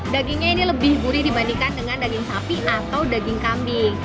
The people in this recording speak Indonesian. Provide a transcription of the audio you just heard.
dagingnya ini lebih gurih dibandingkan dengan daging sapi atau daging kambing